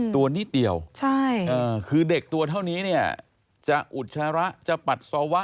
ตัวนิดเดียวคือเด็กตัวเท่านี้เนี่ยจะอุจจาระจะปัสสาวะ